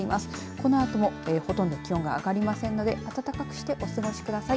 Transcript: このあともほとんど気温が上がりませんので暖かくしてお過ごしください。